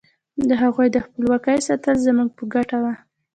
د هغوی د خپلواکۍ ساتل زموږ په ګټه وو.